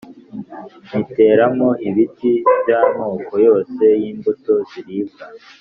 Nyiteramo ibiti by amoko yose y imbuto ziribwa